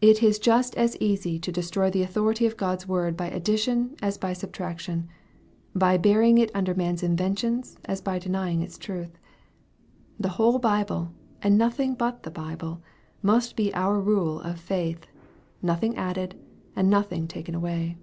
It is just as easy to destroy the authority of God's word by addition as by subtraction, by burying it under man's inventions as by denying its truth. The whole Bible, and nothing but the Bible, must be our rule of faith nothing added and nothing taken away.